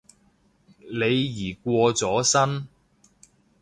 李怡過咗身